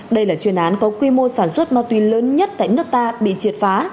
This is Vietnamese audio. đây là chuyên án có quy mô sản xuất ma túy lớn nhất tại nước ta bị triệt phá